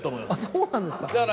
そうなんですか。